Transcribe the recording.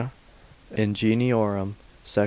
ingeniorum, sect.